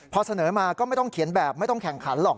พอเสนอมาก็ไม่ต้องเขียนแบบไม่ต้องแข่งขันหรอก